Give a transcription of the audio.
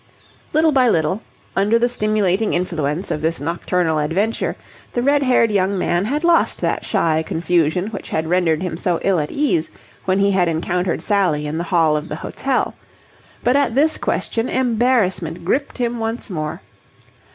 Little by little, under the stimulating influence of this nocturnal adventure, the red haired young man had lost that shy confusion which had rendered him so ill at ease when he had encountered Sally in the hall of the hotel; but at this question embarrassment gripped him once more.